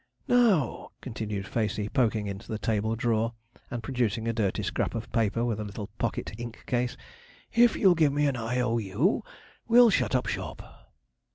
'Now,' continued Facey, poking into the table drawer and producing a dirty scrap of paper, with a little pocket ink case, 'if you'll give me an "I.O.U.," we'll shut up shop.'